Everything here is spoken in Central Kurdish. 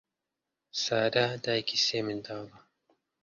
سارا دایکی سێ منداڵە.